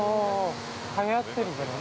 ◆はやってるからな。